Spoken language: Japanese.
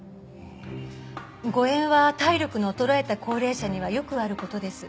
誤嚥は体力の衰えた高齢者にはよくある事です。